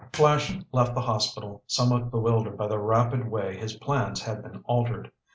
Flash left the hospital, somewhat bewildered by the rapid way his plans had been altered.